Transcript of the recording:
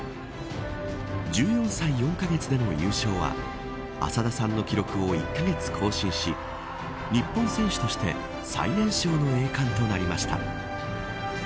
１４歳４カ月での優勝は浅田さんの記録を１カ月更新し日本選手として最年少の栄冠となりました。